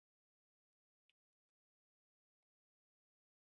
د ګلادیاتورانو په تفریحي پروګرامونو بوخت کړای شول.